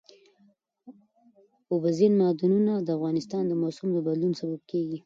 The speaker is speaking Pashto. اوبزین معدنونه د افغانستان د موسم د بدلون سبب کېږي.